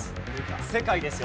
世界ですよ